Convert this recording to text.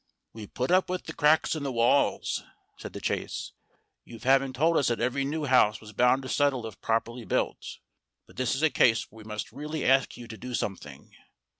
"We put up with the cracks in the walls," said The Chase, "you having told us that every new house was bound to settle if properly built; but this is a case where we must really ask you to do something."